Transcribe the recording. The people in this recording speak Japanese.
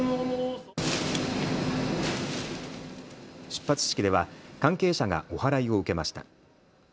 出発式では関係者がおはらいを受けました。